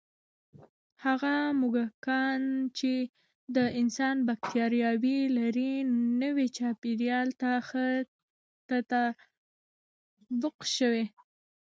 هغه موږکان چې د انسان بکتریاوې لري، نوي چاپېریال ته ښه تطابق شو.